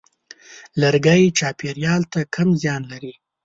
لرګی چاپېریال ته کم زیان لري.